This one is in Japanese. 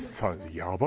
やばいね